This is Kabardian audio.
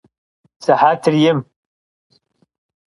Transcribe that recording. Sıhetır yim.